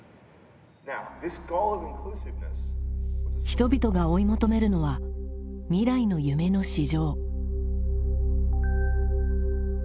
人々が追い求めるのは未来の夢の市場。